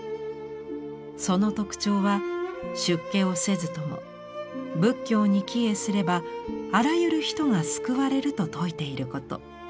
その特徴は出家をせずとも仏教に帰依すればあらゆる人が救われると説いていること。